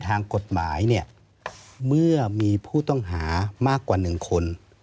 ทางกฎหมายเนี่ยเมื่อมีผู้ต้องหามากกว่า๑คน